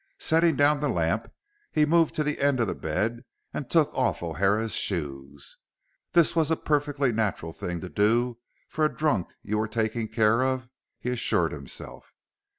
Setting down the lamp, he moved to the end of the bed and took off O'Hara's shoes. This was a perfectly natural thing to do for a drunk you were taking care of, he assured himself.